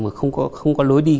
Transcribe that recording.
mà không có lối đi